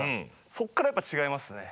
そこからやっぱり違いますね。